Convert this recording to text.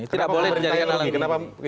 tidak boleh dijadikan lagi